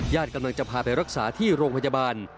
กำลังจะพาไปรักษาที่โรงพยาบาล